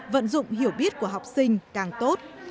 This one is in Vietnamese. vận dụng hiểu biết của học sinh càng tốt